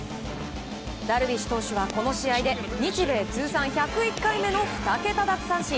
ダルビッシュ投手はこの試合で日米通算１０１回目の２桁奪三振。